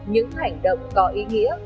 những hành động có ý nghĩa